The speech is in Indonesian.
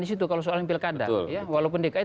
di situ kalau soal pilkada ya walaupun dki